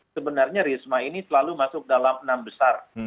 sebenarnya risma ini selalu masuk dalam enam besar